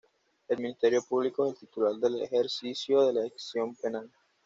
El Ministerio Público es el titular del ejercicio de la acción penal.